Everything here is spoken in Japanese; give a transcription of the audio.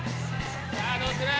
さあどうする？